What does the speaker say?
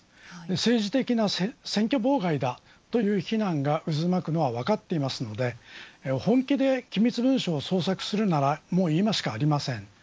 政治的な選挙妨害だという非難が渦巻くのは分かっていますので本気で機密文書を捜索するならもう今しかありません。